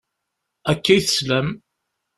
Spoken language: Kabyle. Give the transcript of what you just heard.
Akka i teslam.